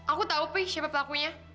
aku tahu prih siapa pelakunya